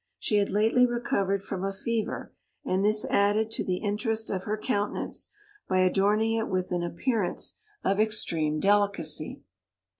She had lately recovered from a fever, and this added to the interest of her countenance, by adorning it with an appearance of extreme delicacy.